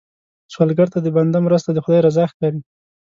سوالګر ته د بنده مرسته، د خدای رضا ښکاري